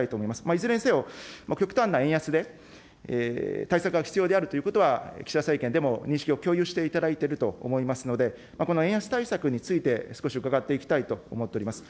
いずれにせよ、極端な円安で、対策が必要であるということは、岸田政権でも認識を共有していただいていると思いますので、この円安対策について、少し伺っていきたいと思っております。